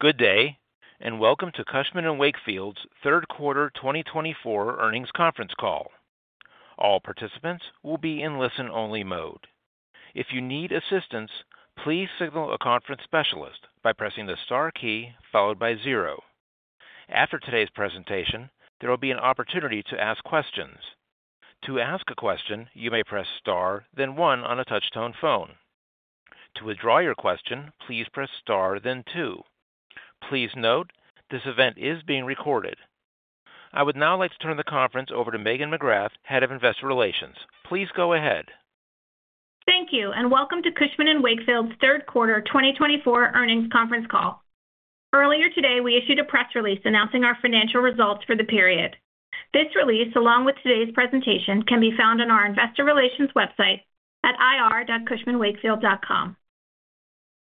Good day, and welcome to Cushman & Wakefield's third quarter 2024 earnings conference call. All participants will be in listen-only mode. If you need assistance, please signal a conference specialist by pressing the star key followed by zero. After today's presentation, there will be an opportunity to ask questions. To ask a question, you may press star, then one on a touch-tone phone. To withdraw your question, please press star, then two. Please note, this event is being recorded. I would now like to turn the conference over to Megan McGrath, head of investor relations. Please go ahead. Thank you, and welcome to Cushman & Wakefield's third quarter 2024 earnings conference call. Earlier today, we issued a press release announcing our financial results for the period. This release, along with today's presentation, can be found on our investor relations website at ir.cushmanwakefield.com.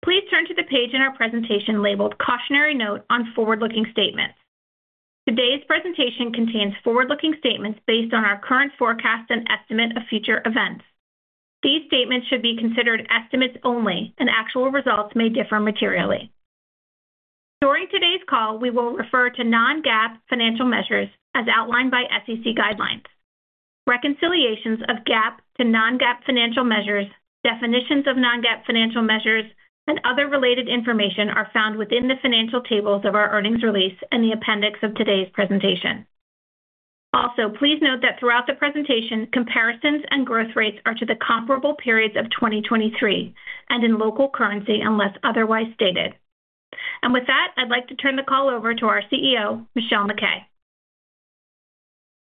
Please turn to the page in our presentation labeled "Cautionary Note on Forward-Looking Statements." Today's presentation contains forward-looking statements based on our current forecasts and estimate of future events. These statements should be considered estimates only, and actual results may differ materially. During today's call, we will refer to non-GAAP financial measures as outlined by SEC guidelines. Reconciliations of GAAP to non-GAAP financial measures, definitions of non-GAAP financial measures, and other related information are found within the financial tables of our earnings release and the appendix of today's presentation. Also, please note that throughout the presentation, comparisons and growth rates are to the comparable periods of 2023 and in local currency unless otherwise stated, and with that, I'd like to turn the call over to our CEO, Michelle MacKay.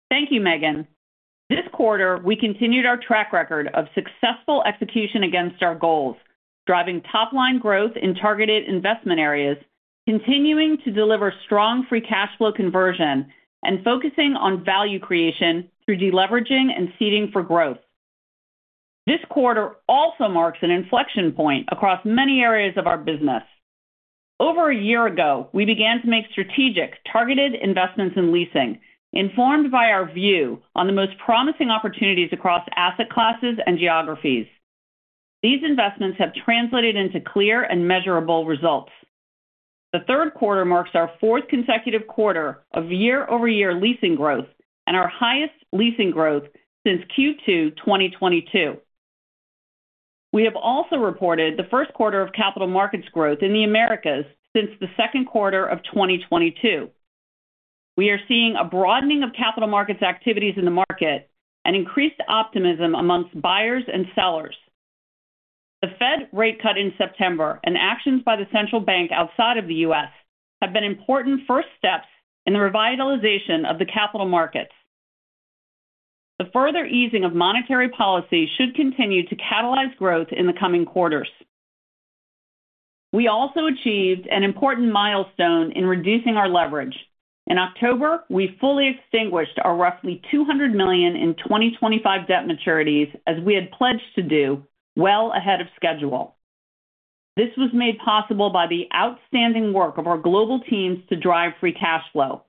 Thank you, Megan. This quarter, we continued our track record of successful execution against our goals, driving top-line growth in targeted investment areas, continuing to deliver strong free cash flow conversion, and focusing on value creation through deleveraging and seeding for growth. This quarter also marks an inflection point across many areas of our business. Over a year ago, we began to make strategic, targeted investments in leasing, informed by our view on the most promising opportunities across asset classes and geographies. These investments have translated into clear and measurable results. The third quarter marks our fourth consecutive quarter of year-over-year leasing growth and our highest leasing growth since Q2 2022. We have also reported the first quarter of capital markets growth in the Americas since the second quarter of 2022. We are seeing a broadening of capital markets activities in the market and increased optimism amongst buyers and sellers. The Fed rate cut in September and actions by the central bank outside of the U.S. have been important first steps in the revitalization of the capital markets. The further easing of monetary policy should continue to catalyze growth in the coming quarters. We also achieved an important milestone in reducing our leverage. In October, we fully extinguished our roughly $200 million in 2025 debt maturities, as we had pledged to do, well ahead of schedule. This was made possible by the outstanding work of our global teams to drive free cash flow.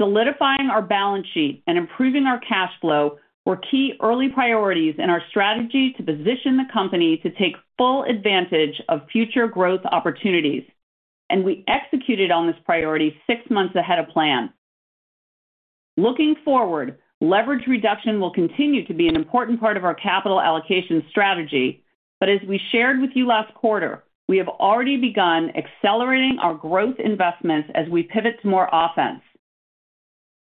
Solidifying our balance sheet and improving our cash flow were key early priorities in our strategy to position the company to take full advantage of future growth opportunities, and we executed on this priority six months ahead of plan. Looking forward, leverage reduction will continue to be an important part of our capital allocation strategy, but as we shared with you last quarter, we have already begun accelerating our growth investments as we pivot to more offense.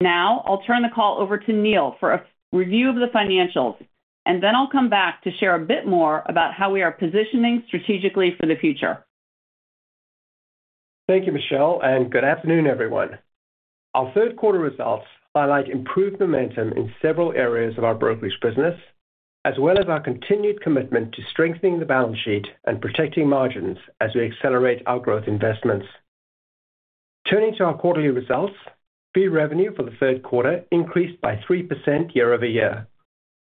Now, I'll turn the call over to Neil for a review of the financials, and then I'll come back to share a bit more about how we are positioning strategically for the future. Thank you, Michelle, and good afternoon, everyone. Our third quarter results highlight improved momentum in several areas of our brokerage business, as well as our continued commitment to strengthening the balance sheet and protecting margins as we accelerate our growth investments. Turning to our quarterly results, service revenue for the third quarter increased by 3% year-over-year.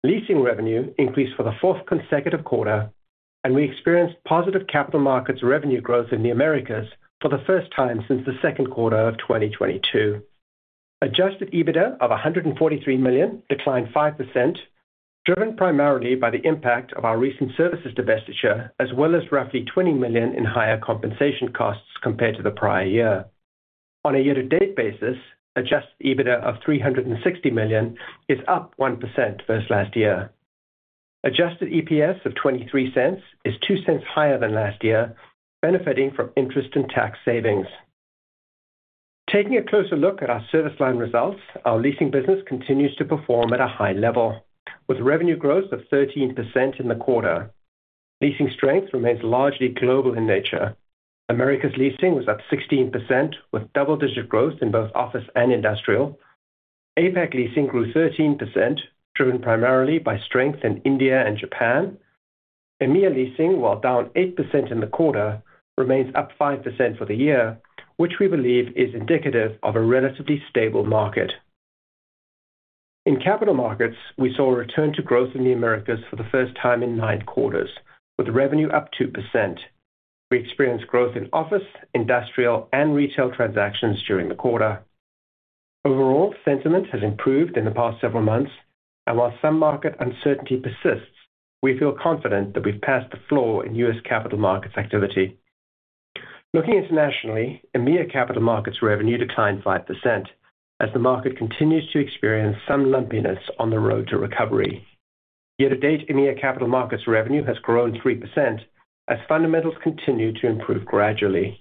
Leasing revenue increased for the fourth consecutive quarter, and we experienced positive capital markets revenue growth in the Americas for the first time since the second quarter of 2022. Adjusted EBITDA of $143 million declined 5%, driven primarily by the impact of our recent services divestiture, as well as roughly $20 million in higher compensation costs compared to the prior year. On a year-to-date basis, adjusted EBITDA of $360 million is up 1% versus last year. Adjusted EPS of $0.23 is $0.02 higher than last year, benefiting from interest and tax savings. Taking a closer look at our service line results, our leasing business continues to perform at a high level, with revenue growth of 13% in the quarter. Leasing strength remains largely global in nature. Americas leasing was up 16%, with double-digit growth in both office and industrial. APAC leasing grew 13%, driven primarily by strength in India and Japan. EMEA leasing, while down 8% in the quarter, remains up 5% for the year, which we believe is indicative of a relatively stable market. In capital markets, we saw a return to growth in the Americas for the first time in nine quarters, with revenue up 2%. We experienced growth in office, industrial, and retail transactions during the quarter. Overall, sentiment has improved in the past several months, and while some market uncertainty persists, we feel confident that we've passed the floor in U.S. capital markets activity. Looking internationally, EMEA capital markets revenue declined 5%, as the market continues to experience some lumpiness on the road to recovery. Year-to-date, EMEA capital markets revenue has grown 3%, as fundamentals continue to improve gradually.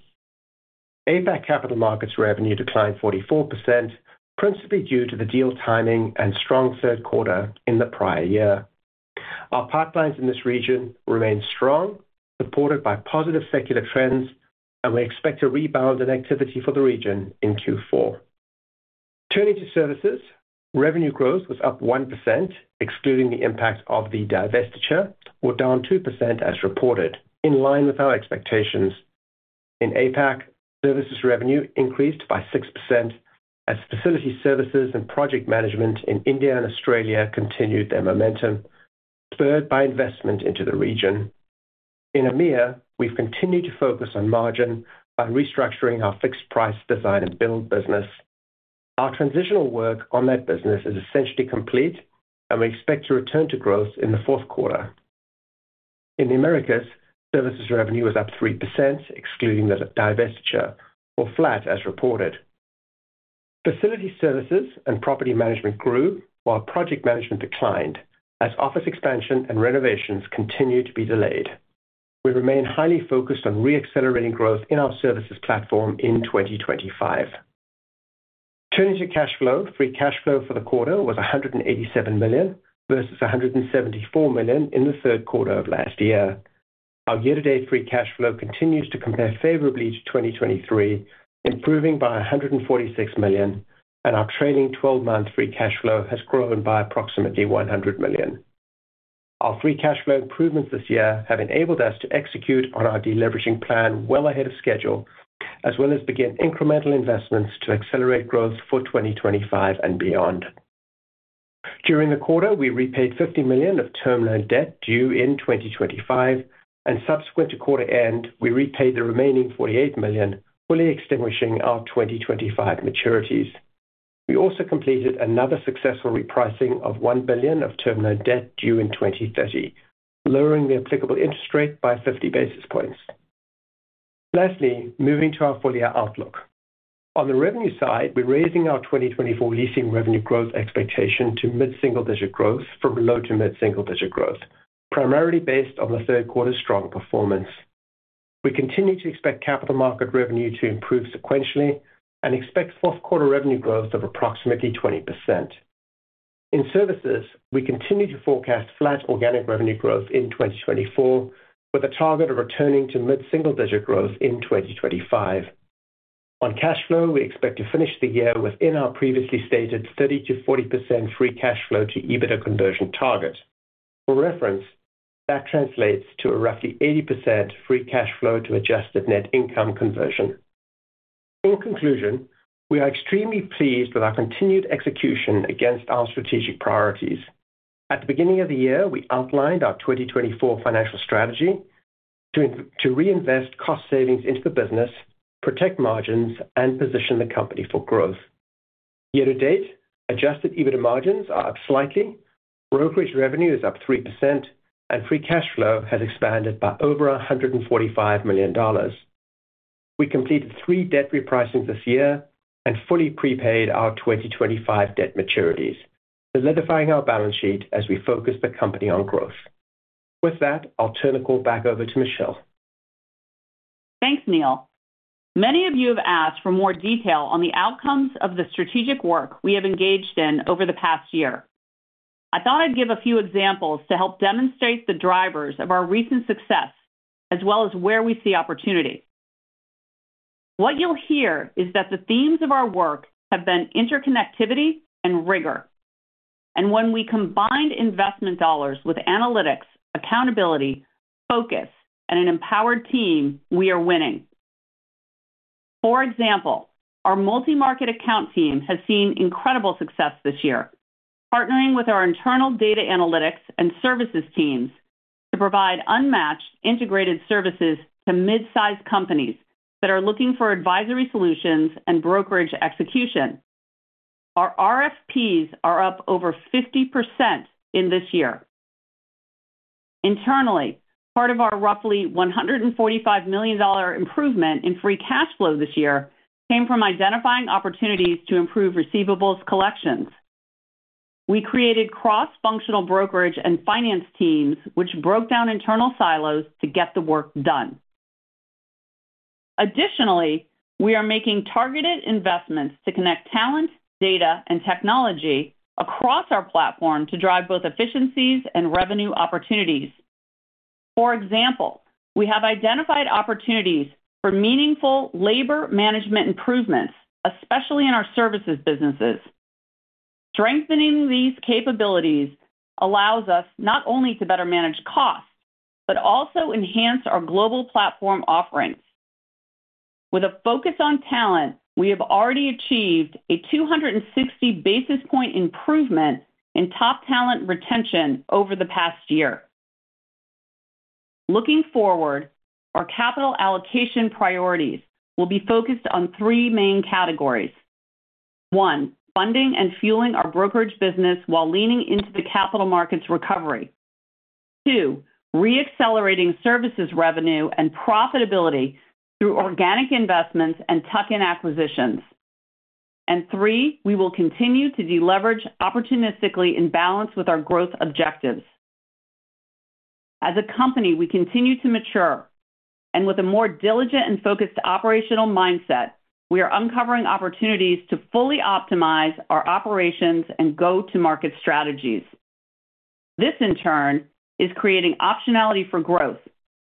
APAC capital markets revenue declined 44%, principally due to the deal timing and strong third quarter in the prior year. Our pipelines in this region remain strong, supported by positive secular trends, and we expect a rebound in activity for the region in Q4. Turning to services, revenue growth was up 1%, excluding the impact of the divestiture, or down 2% as reported, in line with our expectations. In APAC, services revenue increased by 6%, as facility services and project management in India and Australia continued their momentum, spurred by investment into the region. In EMEA, we've continued to focus on margin by restructuring our fixed-price design and build business. Our transitional work on that business is essentially complete, and we expect to return to growth in the fourth quarter. In the Americas, services revenue was up 3%, excluding the divestiture, or flat as reported. Facility services and property management grew, while project management declined, as office expansion and renovations continued to be delayed. We remain highly focused on re-accelerating growth in our services platform in 2025. Turning to cash flow, free cash flow for the quarter was $187 million versus $174 million in the third quarter of last year. Our year-to-date free cash flow continues to compare favorably to 2023, improving by $146 million, and our trailing 12-month free cash flow has grown by approximately $100 million. Our free cash flow improvements this year have enabled us to execute on our deleveraging plan well ahead of schedule, as well as begin incremental investments to accelerate growth for 2025 and beyond. During the quarter, we repaid $50 million of term loan debt due in 2025, and subsequent to quarter end, we repaid the remaining $48 million, fully extinguishing our 2025 maturities. We also completed another successful repricing of $1 billion of term loan debt due in 2030, lowering the applicable interest rate by 50 basis points. Lastly, moving to our four-year outlook. On the revenue side, we're raising our 2024 leasing revenue growth expectation to mid-single-digit growth from low to mid-single-digit growth, primarily based on the third quarter's strong performance. We continue to expect capital markets revenue to improve sequentially and expect fourth quarter revenue growth of approximately 20%. In services, we continue to forecast flat organic revenue growth in 2024, with a target of returning to mid-single-digit growth in 2025. On cash flow, we expect to finish the year within our previously stated 30%-40% free cash flow to EBITDA conversion target. For reference, that translates to a roughly 80% free cash flow to adjusted net income conversion. In conclusion, we are extremely pleased with our continued execution against our strategic priorities. At the beginning of the year, we outlined our 2024 financial strategy to reinvest cost savings into the business, protect margins, and position the company for growth. Year-to-date, adjusted EBITDA margins are up slightly, brokerage revenue is up 3%, and free cash flow has expanded by over $145 million. We completed three debt repricings this year and fully prepaid our 2025 debt maturities, solidifying our balance sheet as we focus the company on growth. With that, I'll turn the call back over to Michelle. Thanks, Neil. Many of you have asked for more detail on the outcomes of the strategic work we have engaged in over the past year. I thought I'd give a few examples to help demonstrate the drivers of our recent success, as well as where we see opportunity. What you'll hear is that the themes of our work have been interconnectivity and rigor. And when we combine investment dollars with analytics, accountability, focus, and an empowered team, we are winning. For example, our multi-market account team has seen incredible success this year, partnering with our internal data analytics and services teams to provide unmatched integrated services to mid-sized companies that are looking for advisory solutions and brokerage execution. Our RFPs are up over 50% in this year. Internally, part of our roughly $145 million improvement in free cash flow this year came from identifying opportunities to improve receivables collections. We created cross-functional brokerage and finance teams, which broke down internal silos to get the work done. Additionally, we are making targeted investments to connect talent, data, and technology across our platform to drive both efficiencies and revenue opportunities. For example, we have identified opportunities for meaningful labor management improvements, especially in our services businesses. Strengthening these capabilities allows us not only to better manage costs, but also enhance our global platform offerings. With a focus on talent, we have already achieved a 260 basis points improvement in top talent retention over the past year. Looking forward, our capital allocation priorities will be focused on three main categories. One, funding and fueling our brokerage business while leaning into the capital markets recovery. Two, re-accelerating services revenue and profitability through organic investments and tuck-in acquisitions. And three, we will continue to deleverage opportunistically in balance with our growth objectives. As a company, we continue to mature, and with a more diligent and focused operational mindset, we are uncovering opportunities to fully optimize our operations and go-to-market strategies. This, in turn, is creating optionality for growth,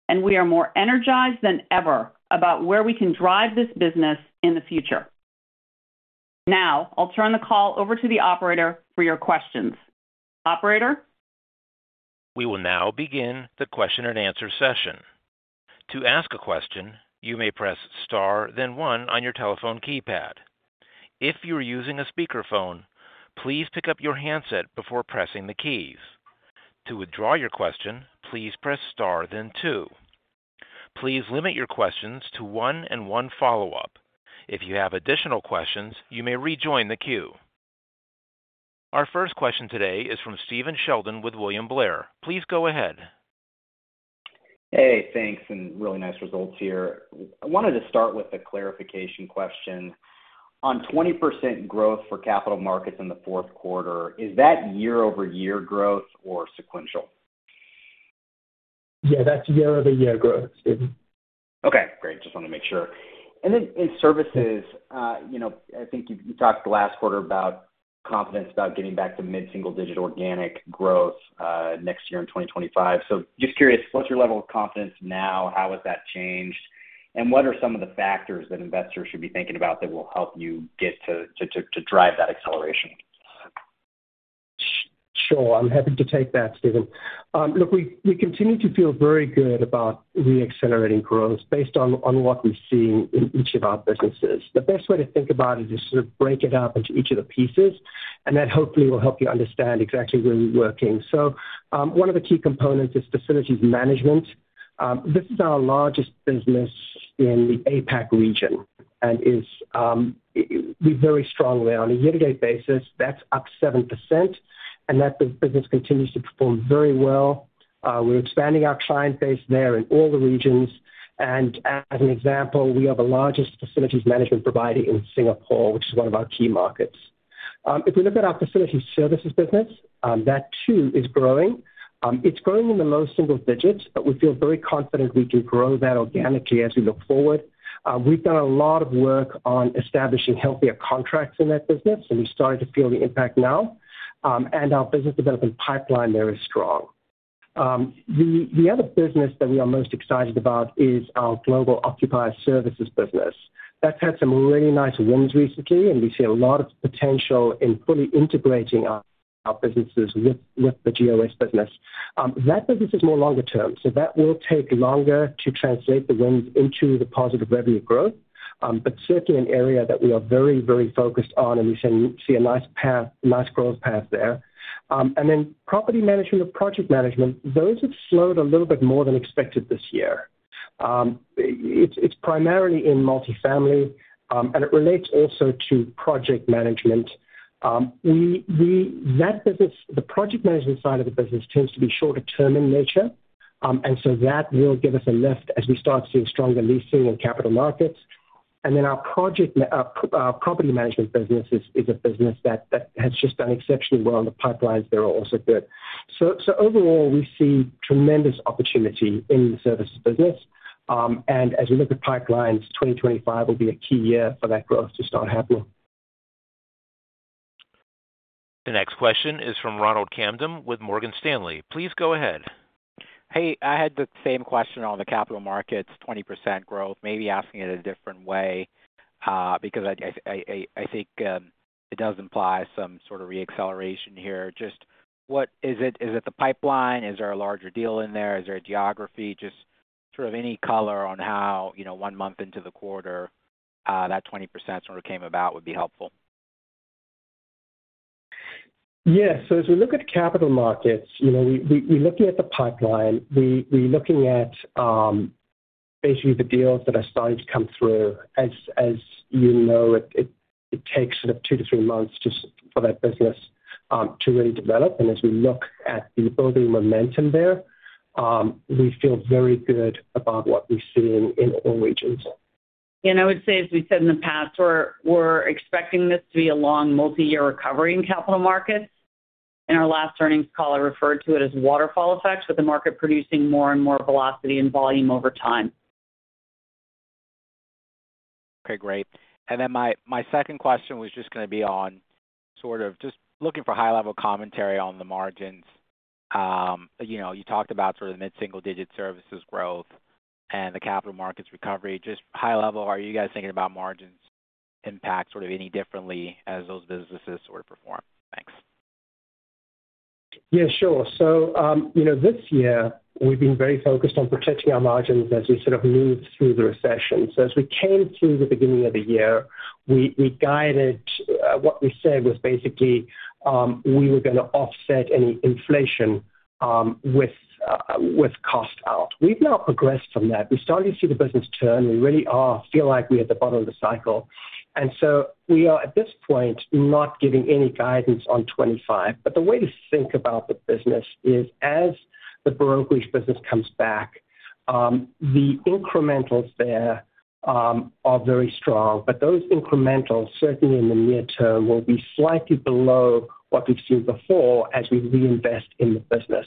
and we are more energized than ever about where we can drive this business in the future. Now, I'll turn the call over to the operator for your questions. Operator? We will now begin the question-and-answer session. To ask a question, you may press star, then one on your telephone keypad. If you're using a speakerphone, please pick up your handset before pressing the keys. To withdraw your question, please press star, then two. Please limit your questions to one and one follow-up. If you have additional questions, you may rejoin the queue. Our first question today is from Steven Sheldon with William Blair. Please go ahead. Hey, thanks, and really nice results here. I wanted to start with a clarification question. On 20% growth for capital markets in the fourth quarter, is that year-over-year growth or sequential? Yeah, that's year-over-year growth, Steven. Okay, great. Just wanted to make sure. And then in services, I think you talked last quarter about confidence about getting back to mid-single-digit organic growth next year in 2025. So just curious, what's your level of confidence now? How has that changed? And what are some of the factors that investors should be thinking about that will help you get to drive that acceleration? Sure. I'm happy to take that, Steven. Look, we continue to feel very good about re-accelerating growth based on what we've seen in each of our businesses. The best way to think about it is to sort of break it up into each of the pieces, and that hopefully will help you understand exactly where we're working. So one of the key components is facilities management. This is our largest business in the APAC region, and we're very strong there. On a year-to-date basis, that's up 7%, and that business continues to perform very well. We're expanding our client base there in all the regions. And as an example, we are the largest facilities management provider in Singapore, which is one of our key markets. If we look at our facilities services business, that too is growing. It's growing in the low single digits, but we feel very confident we can grow that organically as we look forward. We've done a lot of work on establishing healthier contracts in that business, and we've started to feel the impact now, and our business development pipeline there is strong. The other business that we are most excited about is our Global Occupier Services business. That's had some really nice wins recently, and we see a lot of potential in fully integrating our businesses with the GOS business. That business is more longer-term, so that will take longer to translate the wins into the positive revenue growth, but certainly an area that we are very, very focused on, and we see a nice growth path there. And then property management and project management, those have slowed a little bit more than expected this year. It's primarily in multifamily, and it relates also to project management. That business, the project management side of the business, tends to be shorter-term in nature, and so that will give us a lift as we start seeing stronger leasing in capital markets, and then our property management business is a business that has just done exceptionally well. The pipelines there are also good, so overall, we see tremendous opportunity in the services business, and as we look at pipelines, 2025 will be a key year for that growth to start happening. The next question is from Ronald Kamdem with Morgan Stanley. Please go ahead. Hey, I had the same question on the capital markets, 20% growth, maybe asking it a different way because I think it does imply some sort of re-acceleration here. Just what is it? Is it the pipeline? Is there a larger deal in there? Is there a geography? Just sort of any color on how, one month into the quarter, that 20% sort of came about would be helpful. Yeah, so as we look at capital markets, we're looking at the pipeline. We're looking at basically the deals that are starting to come through. As you know, it takes sort of two to three months just for that business to really develop, and as we look at the building momentum there, we feel very good about what we're seeing in all regions. I would say, as we've said in the past, we're expecting this to be a long multi-year recovery in capital markets. In our last earnings call, I referred to it as waterfall effect, with the market producing more and more velocity and volume over time. Okay, great. And then my second question was just going to be on sort of just looking for high-level commentary on the margins. You talked about sort of mid-single-digit services growth and the capital markets recovery. Just high-level, are you guys thinking about margins impact sort of any differently as those businesses sort of perform? Thanks. Yeah, sure. So this year, we've been very focused on protecting our margins as we sort of move through the recession. So as we came through the beginning of the year, we guided what we said was basically we were going to offset any inflation with cost out. We've now progressed from that. We started to see the business turn. We really feel like we're at the bottom of the cycle. And so we are, at this point, not giving any guidance on 2025. But the way to think about the business is, as the brokerage business comes back, the incrementals there are very strong. But those incrementals, certainly in the near term, will be slightly below what we've seen before as we reinvest in the business.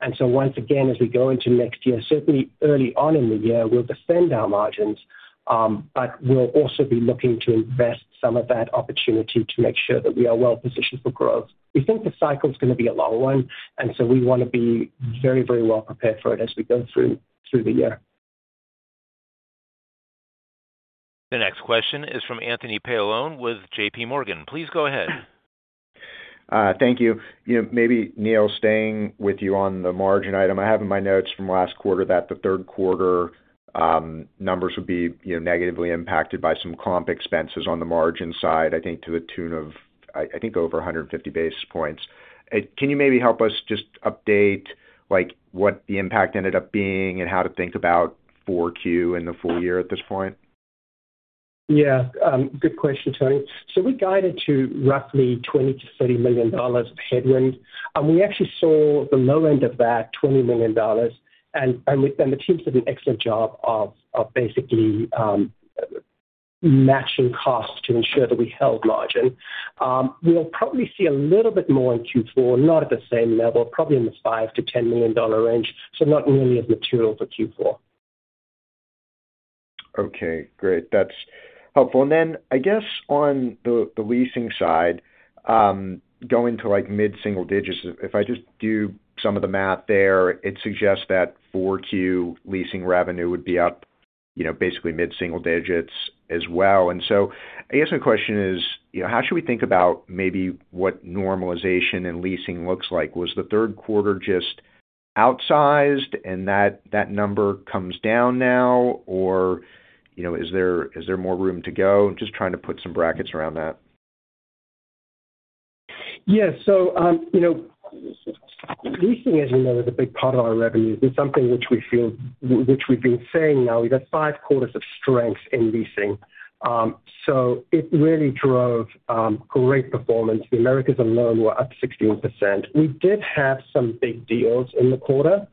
And so once again, as we go into next year, certainly early on in the year, we'll defend our margins, but we'll also be looking to invest some of that opportunity to make sure that we are well-positioned for growth. We think the cycle's going to be a long one, and so we want to be very, very well prepared for it as we go through the year. The next question is from Anthony Paolone with J.P. Morgan. Please go ahead. Thank you. Maybe, Neil, staying with you on the margin item, I have in my notes from last quarter that the third quarter numbers would be negatively impacted by some comp expenses on the margin side, I think to the tune of, I think, over 150 basis points. Can you maybe help us just update what the impact ended up being and how to think about 4Q in the full year at this point? Yeah, good question, Tony. So we guided to roughly $20 million-$30 million of headwind. We actually saw the low end of that $20 million, and the teams did an excellent job of basically matching costs to ensure that we held margin. We'll probably see a little bit more in Q4, not at the same level, probably in the $5 million-$10 million range, so not nearly as material for Q4. Okay, great. That's helpful. And then, I guess, on the leasing side, going to mid-single digits, if I just do some of the math there, it suggests that 4Q leasing revenue would be up basically mid-single digits as well. And so I guess my question is, how should we think about maybe what normalization in leasing looks like? Was the third quarter just outsized and that number comes down now, or is there more room to go? Just trying to put some brackets around that. Yeah, so leasing, as you know, is a big part of our revenue. It's something which we've been saying now. We've had five quarters of strength in leasing, so it really drove great performance. The Americas alone were up 16%. We did have some big deals in the quarter,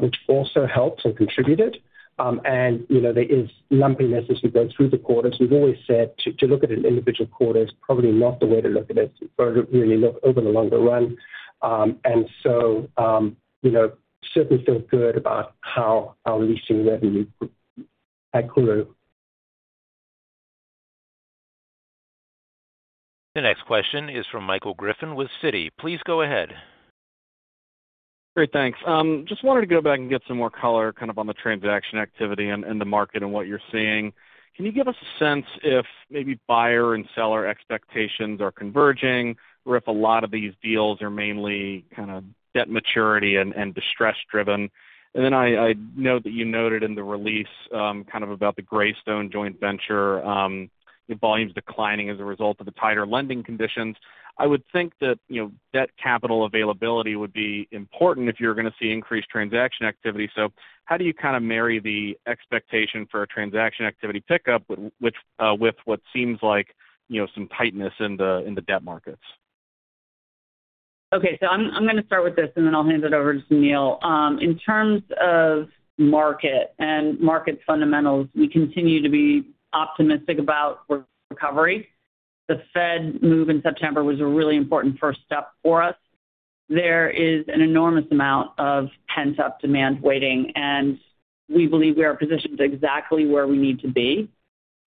which also helped and contributed. And there is lumpiness as we go through the quarters. We've always said to look at an individual quarter is probably not the way to look at it for really over the longer run. And so certainly feel good about how our leasing revenue had grew. The next question is from Michael Griffin with Citi. Please go ahead. Great, thanks. Just wanted to go back and get some more color kind of on the transaction activity and the market and what you're seeing. Can you give us a sense if maybe buyer and seller expectations are converging or if a lot of these deals are mainly kind of debt maturity and distress driven? And then I know that you noted in the release kind of about the Greystone Joint Venture, volumes declining as a result of the tighter lending conditions. I would think that debt capital availability would be important if you're going to see increased transaction activity. So how do you kind of marry the expectation for a transaction activity pickup with what seems like some tightness in the debt markets? Okay, so I'm going to start with this, and then I'll hand it over to Neil. In terms of market and market fundamentals, we continue to be optimistic about recovery. The Fed move in September was a really important first step for us. There is an enormous amount of pent-up demand waiting, and we believe we are positioned exactly where we need to be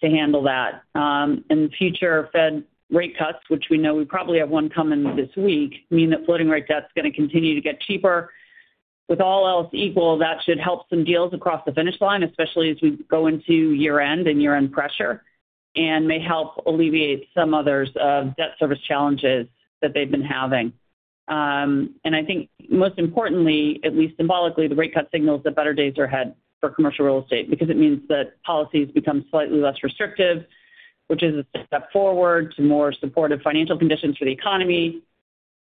to handle that. In the future, Fed rate cuts, which we know we probably have one coming this week, mean that floating rate debt's going to continue to get cheaper. With all else equal, that should help some deals across the finish line, especially as we go into year-end and year-end pressure, and may help alleviate some others of debt service challenges that they've been having. I think, most importantly, at least symbolically, the rate cut signals that better days are ahead for commercial real estate because it means that policies become slightly less restrictive, which is a step forward to more supportive financial conditions for the economy,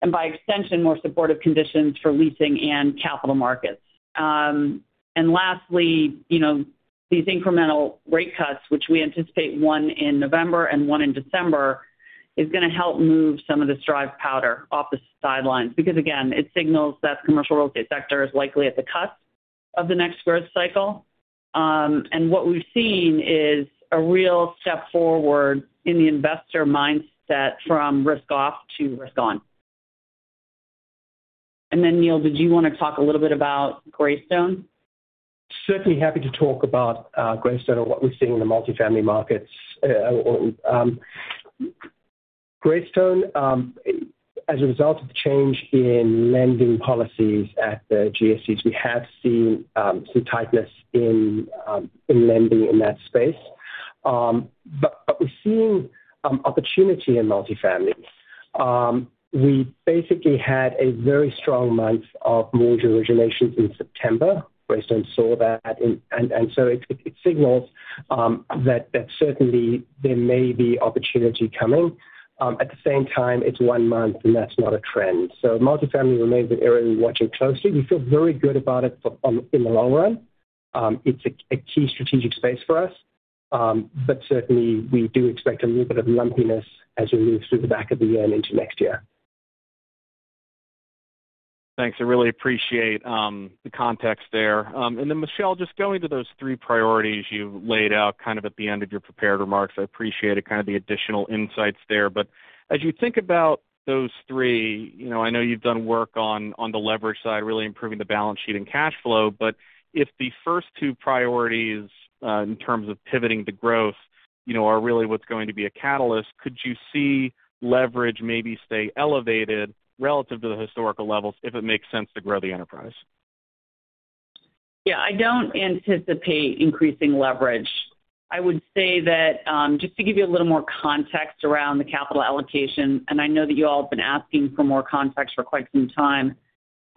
and by extension, more supportive conditions for leasing and capital markets. Lastly, these incremental rate cuts, which we anticipate one in November and one in December, is going to help move some of this dry powder off the sidelines because, again, it signals that the commercial real estate sector is likely at the cusp of the next growth cycle. What we've seen is a real step forward in the investor mindset from risk-off to risk-on. Then, Neil, did you want to talk a little bit about Greystone? Certainly happy to talk about Greystone and what we're seeing in the multifamily markets. Greystone, as a result of the change in lending policies at the GSEs, we have seen some tightness in lending in that space. But we're seeing opportunity in multifamily. We basically had a very strong month of mortgage originations in September. Greystone saw that, and so it signals that certainly there may be opportunity coming. At the same time, it's one month, and that's not a trend. So multifamily remains an area we're watching closely. We feel very good about it in the long run. It's a key strategic space for us, but certainly we do expect a little bit of lumpiness as we move through the back of the year and into next year. Thanks. I really appreciate the context there. And then, Michelle, just going to those three priorities you laid out kind of at the end of your prepared remarks, I appreciated kind of the additional insights there. But as you think about those three, I know you've done work on the leverage side, really improving the balance sheet and cash flow, but if the first two priorities in terms of pivoting to growth are really what's going to be a catalyst, could you see leverage maybe stay elevated relative to the historical levels if it makes sense to grow the enterprise? Yeah, I don't anticipate increasing leverage. I would say that, just to give you a little more context around the capital allocation, and I know that you all have been asking for more context for quite some time,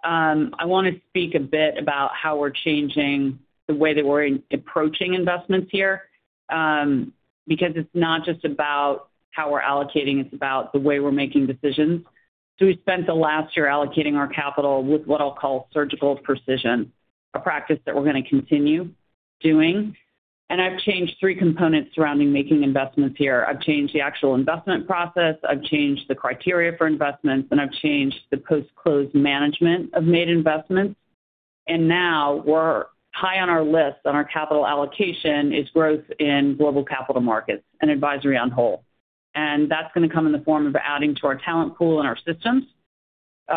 I want to speak a bit about how we're changing the way that we're approaching investments here because it's not just about how we're allocating. It's about the way we're making decisions. So we spent the last year allocating our capital with what I'll call surgical precision, a practice that we're going to continue doing. And I've changed three components surrounding making investments here. I've changed the actual investment process. I've changed the criteria for investments, and I've changed the post-close management of made investments. And now we're high on our list on our capital allocation is growth in global capital markets and advisory on hold. And that's going to come in the form of adding to our talent pool and our systems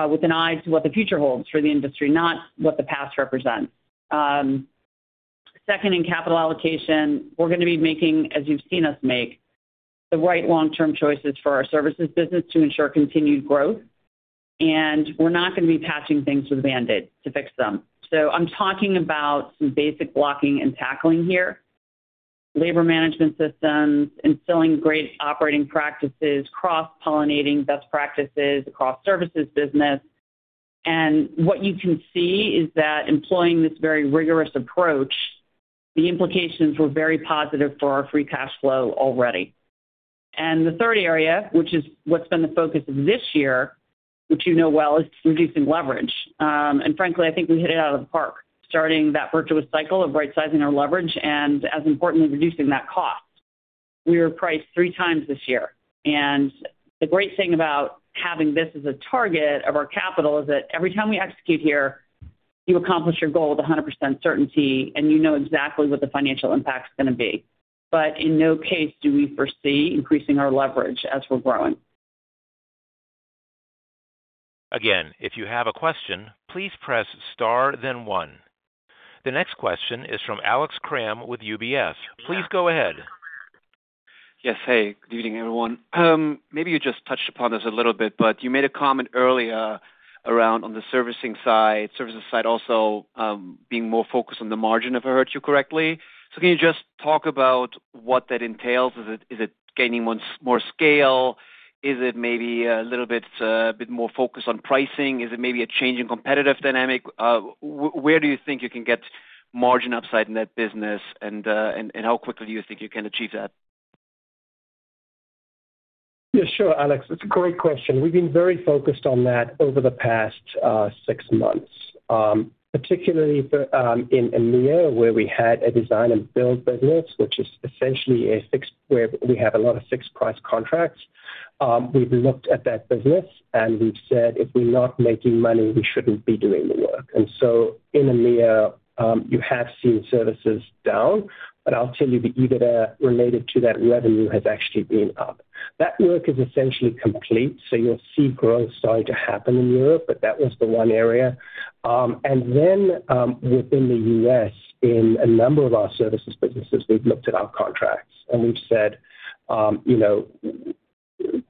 with an eye to what the future holds for the industry, not what the past represents. Second, in capital allocation, we're going to be making, as you've seen us make, the right long-term choices for our services business to ensure continued growth. And we're not going to be patching things with a Band-Aid to fix them. So I'm talking about some basic blocking and tackling here: labor management systems, instilling great operating practices, cross-pollinating best practices across services business. And what you can see is that employing this very rigorous approach, the implications were very positive for our free cash flow already. And the third area, which is what's been the focus of this year, which you know well, is reducing leverage. And frankly, I think we hit it out of the park starting that virtuous cycle of right-sizing our leverage and, as importantly, reducing that cost. We were priced three times this year. And the great thing about having this as a target of our capital is that every time we execute here, you accomplish your goal with 100% certainty, and you know exactly what the financial impact's going to be. But in no case do we foresee increasing our leverage as we're growing. Again, if you have a question, please press star, then one. The next question is from Alex Kram with UBS. Please go ahead. Yes, hey, good evening, everyone. Maybe you just touched upon this a little bit, but you made a comment earlier around the services side also being more focused on the margin, if I heard you correctly. So can you just talk about what that entails? Is it gaining more scale? Is it maybe a little bit more focused on pricing? Is it maybe a change in competitive dynamic? Where do you think you can get margin upside in that business, and how quickly do you think you can achieve that? Yeah, sure, Alex. It's a great question. We've been very focused on that over the past six months, particularly in EMEA, where we had a design and build business, which is essentially a fixed where we have a lot of fixed-price contracts. We've looked at that business, and we've said, "If we're not making money, we shouldn't be doing the work." And so in EMEA, you have seen services down, but I'll tell you the EBITDA related to that revenue has actually been up. That work is essentially complete, so you'll see growth starting to happen in Europe, but that was the one area. And then within the U.S., in a number of our services businesses, we've looked at our contracts, and we've said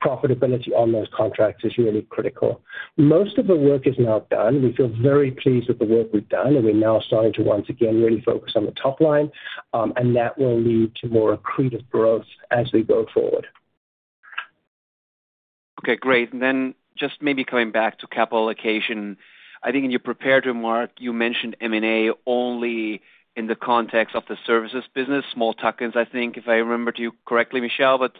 profitability on those contracts is really critical. Most of the work is now done. We feel very pleased with the work we've done, and we're now starting to once again really focus on the top line, and that will lead to more accretive growth as we go forward. Okay, great. And then just maybe coming back to capital allocation, I think in your prepared remark, you mentioned M&A only in the context of the services business, small tokens, I think, if I remembered you correctly, Michelle. But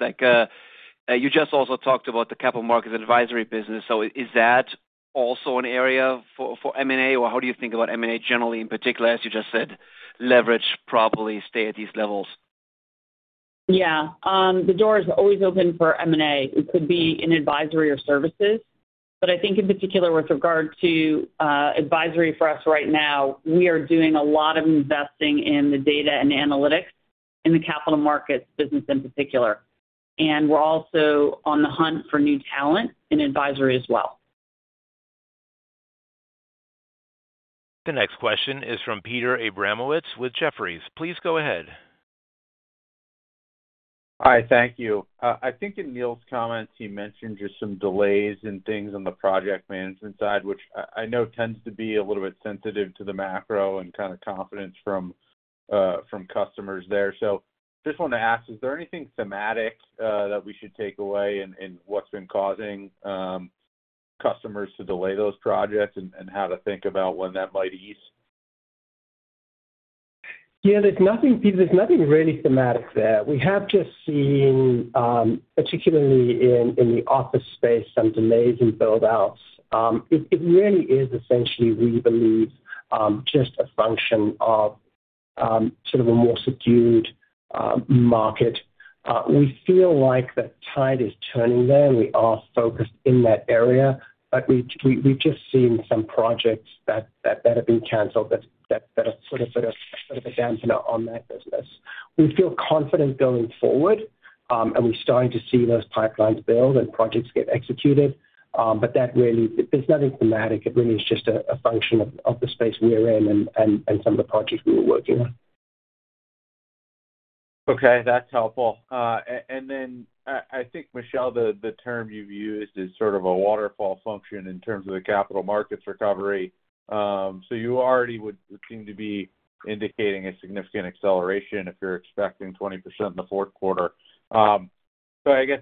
you just also talked about the capital markets advisory business. So is that also an area for M&A, or how do you think about M&A generally in particular, as you just said, leverage probably stay at these levels? Yeah, the door is always open for M&A. It could be in advisory or services. But I think in particular with regard to advisory for us right now, we are doing a lot of investing in the data and analytics in the capital markets business in particular. And we're also on the hunt for new talent in advisory as well. The next question is from Peter Abramowitz with Jefferies. Please go ahead. Hi, thank you. I think in Neil's comments, he mentioned just some delays and things on the project management side, which I know tends to be a little bit sensitive to the macro and kind of confidence from customers there. So just wanted to ask, is there anything thematic that we should take away in what's been causing customers to delay those projects and how to think about when that might ease? Yeah, there's nothing really thematic there. We have just seen, particularly in the office space, some delays in buildouts. It really is essentially, we believe, just a function of sort of a more subdued market. We feel like the tide is turning there, and we are focused in that area, but we've just seen some projects that have been canceled that are sort of a dampener on that business. We feel confident going forward, and we're starting to see those pipelines build and projects get executed, but there's nothing thematic. It really is just a function of the space we're in and some of the projects we were working on. Okay, that's helpful. And then I think, Michelle, the term you've used is sort of a waterfall function in terms of the capital markets recovery. So you already would seem to be indicating a significant acceleration if you're expecting 20% in the fourth quarter. So I guess,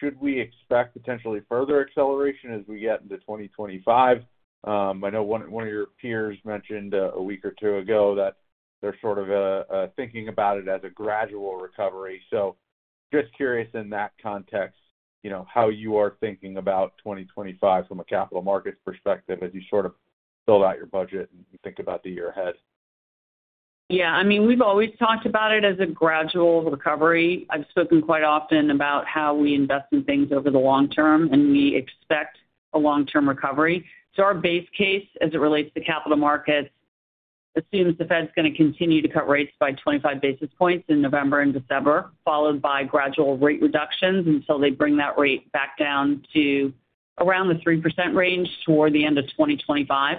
should we expect potentially further acceleration as we get into 2025? I know one of your peers mentioned a week or two ago that they're sort of thinking about it as a gradual recovery. So just curious in that context how you are thinking about 2025 from a capital markets perspective as we sort of build out your budget and think about the year ahead? Yeah, I mean, we've always talked about it as a gradual recovery. I've spoken quite often about how we invest in things over the long term, and we expect a long-term recovery. So our base case as it relates to capital markets assumes the Fed's going to continue to cut rates by 25 basis points in November and December, followed by gradual rate reductions until they bring that rate back down to around the 3% range toward the end of 2025.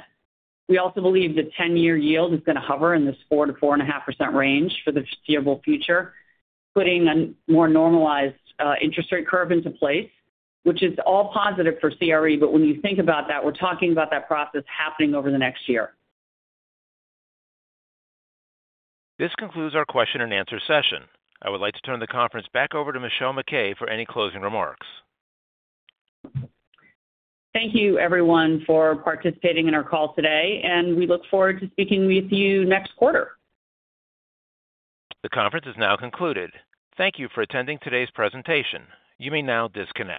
We also believe the 10-year yield is going to hover in this 4%-4.5% range for the foreseeable future, putting a more normalized interest rate curve into place, which is all positive for CRE. But when you think about that, we're talking about that process happening over the next year. This concludes our question-and-answer session. I would like to turn the conference back over to Michelle MacKay for any closing remarks. Thank you, everyone, for participating in our call today, and we look forward to speaking with you next quarter. The conference is now concluded. Thank you for attending today's presentation. You may now disconnect.